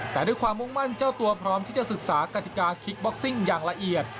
แต่ด้วยความมุ่งมั่นเจ้าตัวพร้อมที่จะศึกษากติกาคิกบ็อกซิ่งอย่างละเอียด